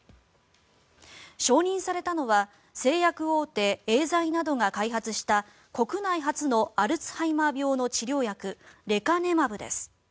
承認されたのは製薬大手エーザイなどが開発した国内初のアルツハイマー病の治療薬レカネマブです。